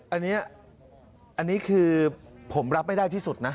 อันนี้อันนี้คือผมรับไม่ได้ที่สุดนะ